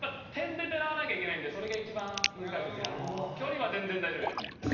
距離は全然大丈夫です。